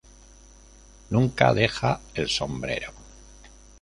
Nunca deja el sombrero.